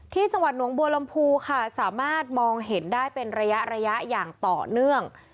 ที่สวรรค์หนวงบัวลำพู